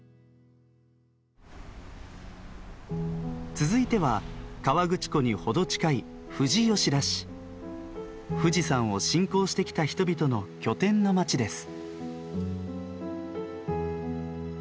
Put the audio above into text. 続いては河口湖に程近い富士山を信仰してきた人々の拠点の町です。